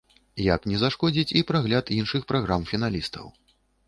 Як не зашкодзіць і прагляд іншых праграм-фіналістаў.